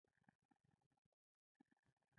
په کال کې دغه نسخه له زیاتونو سره چاپ کړې ده.